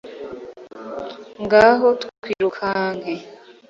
ngaho twirukanke